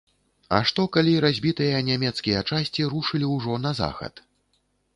А што, калі разбітыя нямецкія часці рушылі ўжо на захад?